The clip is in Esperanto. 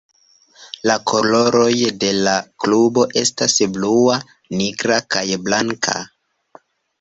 La koloroj de la klubo estas blua, nigra kaj blanka.